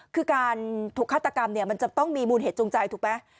คือการถูกฆาตกรรมเนี่ยมันจะต้องมีมูลเหตุจูงใจถูกไหม